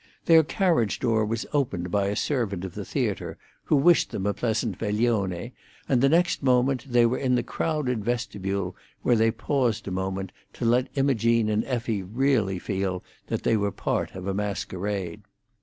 Their carriage door was opened by a servant of the theatre, who wished them a pleasant veglione, and the next moment they were in the crowded vestibule, where they paused a moment, to let Imogene and Effie really feel that they were part of a masquerade.